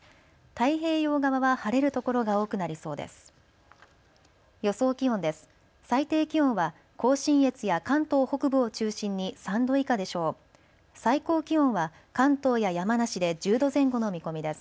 太平洋側は晴れる所が多くなりそうです。